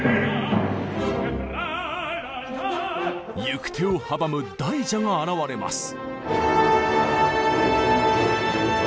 行く手を阻む大蛇が現れます。